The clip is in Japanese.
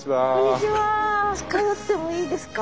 近寄ってもいいですか？